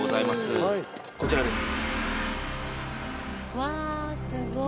こちらです